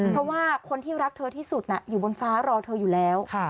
เพราะว่าคนที่รักเธอที่สุดอยู่บนฟ้ารอเธออยู่แล้ว